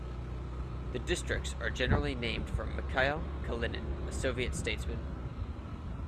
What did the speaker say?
The districts are generally named for Mikhail Kalinin, a Soviet statesman.